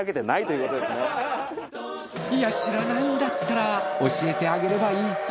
いや知らないんだったら教えてあげればいい。